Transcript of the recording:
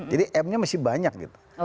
jadi m nya mesti banyak gitu